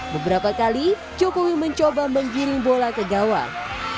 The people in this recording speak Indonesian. beberapa kali jokowi mencoba menggiring bola ke gawang